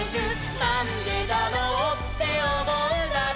「なんでだろうっておもうなら」